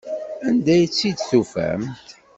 Anda ay tt-id-tufamt?